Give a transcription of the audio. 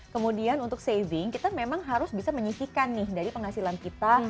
kemudian untuk saving kita memang harus bisa menyisikan nih dari penghasilan kita